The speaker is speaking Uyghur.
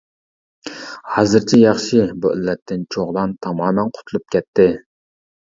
ھازىرچە ياخشى، بۇ ئىللەتتىن چوغلان تامامەن قۇتۇلۇپ كەتتى.